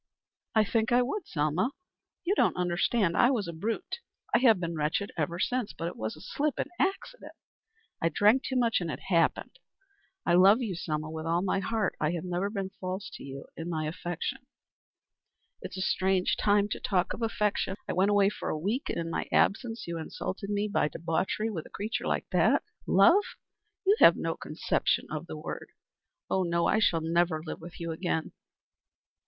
"I think I would, Selma. You don't understand. I was a brute. I have been wretched ever since. But it was a slip an accident. I drank too much, and it happened. I love you, Selma, with all my heart. I have never been false to you in my affection." "It is a strange time to talk of affection. I went away for a week, and in my absence you insulted me by debauchery with a creature like that. Love? You have no conception of the meaning of the word. Oh no, I shall never live with you again."